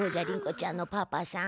ちゃんのパパさん。